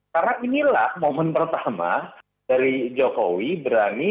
karena inilah momen pertama dari jokowi berani berbicara di hadapan orang lain